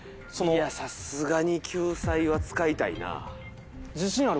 さすがに救済は使いたいな。